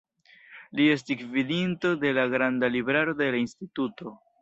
Li estis gvidinto de la granda libraro de la instituto.